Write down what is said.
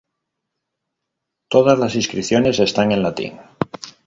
Todas las inscripciones están en latín.